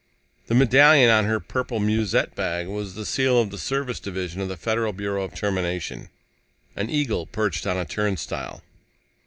The medallion on her purple musette bag was the seal of the Service Division of the Federal Bureau of Termination, an eagle perched on a turnstile.